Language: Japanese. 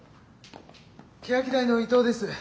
欅台の伊藤です。